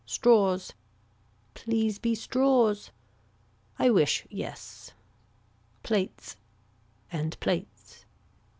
Straws. Please be straws. I wish yes. Plates. And plates.